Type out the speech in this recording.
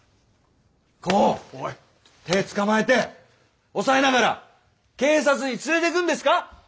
こう手捕まえて押さえながら警察に連れてくんですか？